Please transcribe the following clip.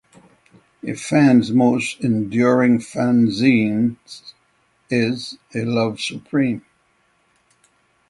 The fans most enduring fanzines is "A Love Supreme".